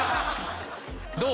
どう？